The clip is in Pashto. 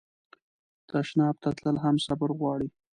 تشناب ته تلل هم صبر غواړي.